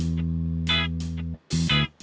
aku mau panggil nama atu